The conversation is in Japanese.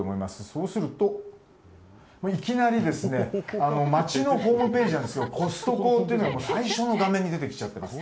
そうすると、いきなり町のホームページなんですがコストコというのが最初の画面に出てきちゃっています。